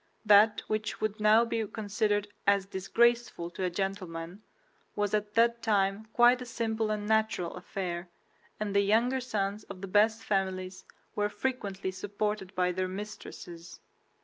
That which would now be considered as disgraceful to a gentleman was at that time quite a simple and natural affair, and the younger sons of the best families were frequently supported by their mistresses.